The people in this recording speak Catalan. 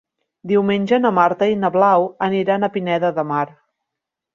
Diumenge na Marta i na Blau aniran a Pineda de Mar.